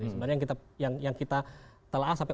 sebenarnya yang kita telah sampai